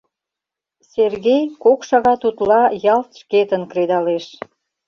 Сергей кок шагат утла ялт шкетын кредалеш.